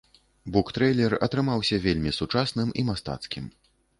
Буктрэйлер атрымаўся вельмі сучасным і мастацкім.